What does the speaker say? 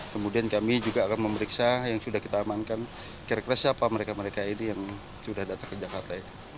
kemudian kami juga akan memeriksa yang sudah kita amankan kira kira siapa mereka mereka ini yang sudah datang ke jakarta